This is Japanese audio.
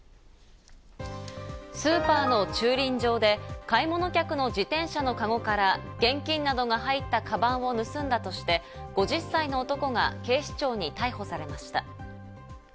スーパーの駐輪場で買い物客の自転車のかごから現金などが入ったかばんを盗んだとして、５０歳の男が警視庁に逮捕されました。